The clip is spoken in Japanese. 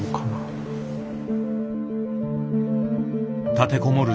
立てこもる